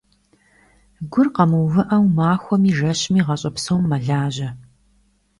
Гур къэмыувыӀэу, махуэми, жэщми, гъащӀэ псом мэлажьэ.